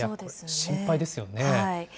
心配ですよね。